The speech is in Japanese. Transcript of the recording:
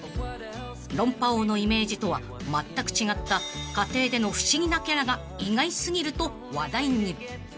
［論破王のイメージとはまったく違った家庭での不思議なキャラが意外過ぎると話題に］